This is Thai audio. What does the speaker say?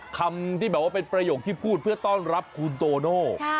คำที่แบบว่าเป็นประโยคที่พูดเพื่อต้อนรับคุณโตโน่